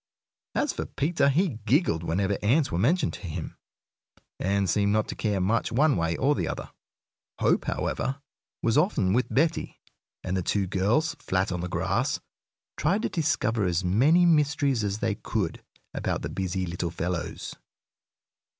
As for Peter, he giggled whenever ants were mentioned to him, and seemed not to care much one way or another. Hope, however, was often with Betty, and the two girls, flat on the grass, tried to discover as many mysteries as they could about the busy little fellows.